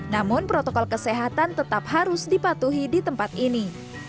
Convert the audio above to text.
namun protokol kesehatan tetap harus dipatuhi di tempat ini